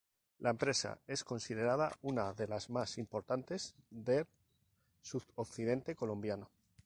La empresa es considerada una de las más importantes del suroccidente colombiano.